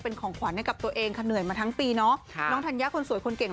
เป็นของขวัญให้กับตัวเองค่ะเหนื่อยมาทั้งปีเนาะน้องธัญญาคนสวยคนเก่ง